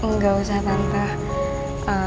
gak usah tante